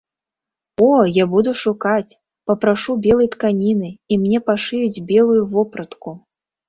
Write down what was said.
О, я буду шукаць, папрашу белай тканіны, і мне пашыюць белую вопратку.